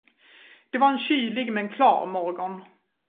Det var en kylig men klar morgon.